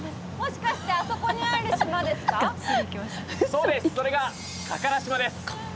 そうです、それが加唐島です。